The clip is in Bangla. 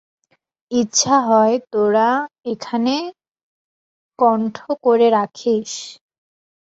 ইচ্ছা হয় তোরা এখানা কণ্ঠে করে রাখিস।